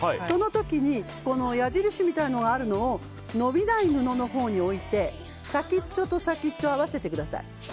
その時に矢印みたいなのがあるのを伸びない布のほうに置いて先っちょと先っちょを合わせてください。